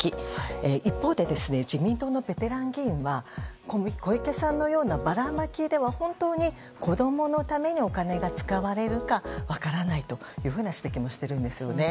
一方で、自民党のベテラン議員は小池さんのようなバラマキでは子供のためにお金が使われるか分からないというふうな指摘もしているんですよね。